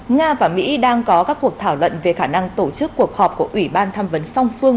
nga và mỹ đang có các cuộc thảo luận về khả năng tổ chức cuộc họp của ủy ban tham vấn song phương